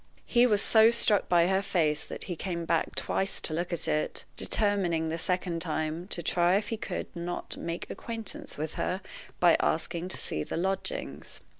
He was so struck by her face that he came back twice to look at it, determining, the second time, to try if he could not make acquaintance with her by asking to see the lodgings.